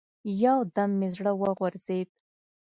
يو دم مې زړه وغورځېد.